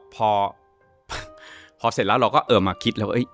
พอเสร็จแล้วเราก็เออมาคิดแล้ว